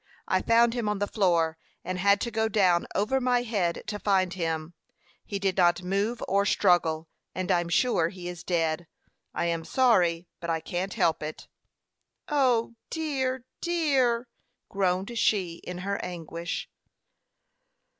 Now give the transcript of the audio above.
I found him on the floor, and had to go down over my head to find him. He did not move or struggle, and I'm sure he is dead. I am sorry, but I can't help it." "O, dear, dear!" groaned she, in her anguish.